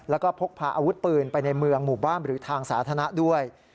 แล้วก็พกพาอาวุธปืนไปในเมืองหมู่บ้านหรือทางสาธารณะด้วย